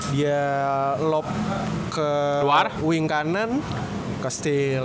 dia lob ke wing kanan ke steel